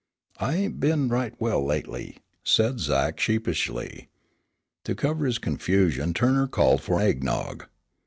"I ain't been right well lately," said Zach sheepishly. To cover his confusion Turner called for eggnog.